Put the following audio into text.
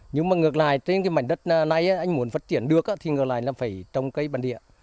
nhưng mà ngược lại trên cái mảnh đất này anh muốn phát triển được thì ngược lại là phải trồng cây bản địa